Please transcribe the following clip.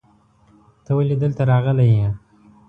ته ولې دلته راغلی یې؟